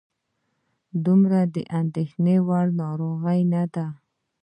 دومره د اندېښنې وړ ناروغي نه ده.